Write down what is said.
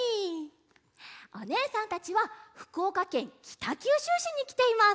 おねえさんたちはふくおかけんきたきゅうしゅうしにきています。